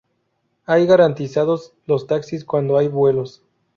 Hay garantizados los taxis cuando hay vuelos.